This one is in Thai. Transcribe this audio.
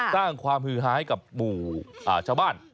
สร้างความหือหายกับชาวบ้าน